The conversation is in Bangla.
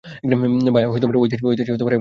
ভায়া, ঐ তেজে একবার মহোৎসব কর দিকি।